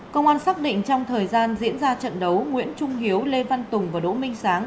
công an xác định trong thời gian diễn ra trận đấu nguyễn trung hiếu lê văn tùng và đỗ minh sáng